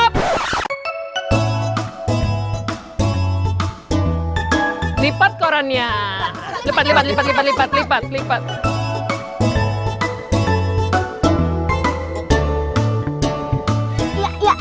ambil koran ya